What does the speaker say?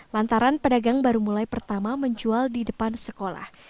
lantaran pedagang baru mulai pertama menjual di depan sekolah